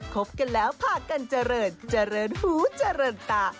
คบกันแล้วพากันเจริญเจริญหูเจริญตา